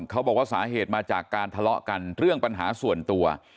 เขาบอกว่าสาเหตุมาจากการทะเลาะกันเรื่องปัญหาส่วนตัว